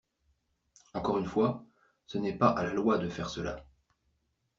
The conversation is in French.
Encore une fois, ce n’est pas à la loi de faire cela.